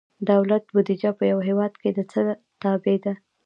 دولت بودیجه په یو هیواد کې د څه تابع ده؟